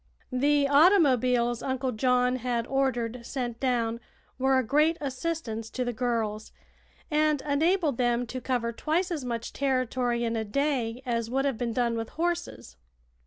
The automobiles Uncle John had ordered sent down were a great assistance to the girls, and enabled them to cover twice as much territory in a day as would have been done with horses.